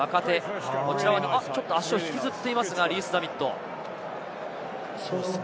おっと足を引きずっていますが、リース＝ザミット。